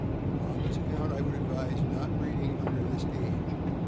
On this account I would advise not breeding under this age.